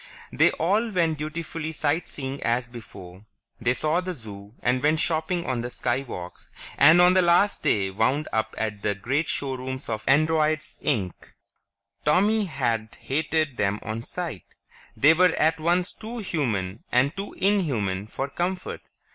They all went dutifully sight seeing as before; they saw the Zoo, and went shopping on the Skywalks, and on the last day wound up at the great showrooms of "Androids, Inc." Tommy had hated them on sight; they were at once too human and too inhuman for comfort.